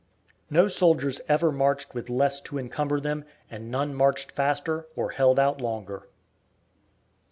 No soldiers ever marched with less to encumber them, and none marched faster or held out longer.